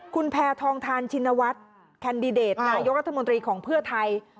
คุณแพทองทานชินวัฒน์แคนดิเดตนายกรัฐมนตรีของเพื่อไทย